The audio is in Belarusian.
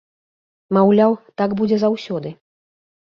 Маўляў, так будзе заўсёды.